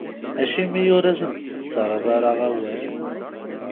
Acimi ur asent-tettarraḍ ara awal?